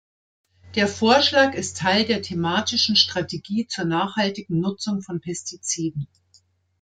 Der Vorschlag ist Teil der Thematischen Strategie zur nachhaltigen Nutzung von Pestiziden.